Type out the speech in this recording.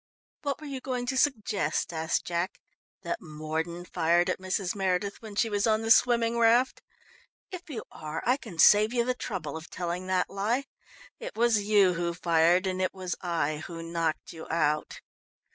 "What were you going to suggest?" asked Jack. "That Mordon fired at Mrs. Meredith when she was on the swimming raft? If you are, I can save you the trouble of telling that lie. It was you who fired, and it was I who knocked you out."